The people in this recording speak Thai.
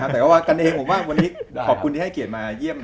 แต่ว่ากันเองผมว่าวันนี้ขอบคุณที่ให้เกียรติมาเยี่ยม